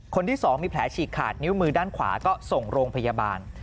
คนที่๒มีแผลฉีกขาดนิ้วมือด้านขวาก็ส่งโรงพยาบาล